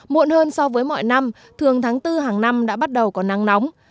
muộn hơn so với mọi năm thường tháng bốn hàng năm đã bắt đầu có nắng nóng